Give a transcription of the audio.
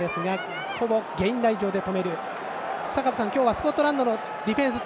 スコットランドのディフェンスが。